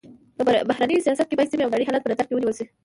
په بهرني سیاست کي باید سيمي او نړۍ حالت په نظر کي ونیول سي.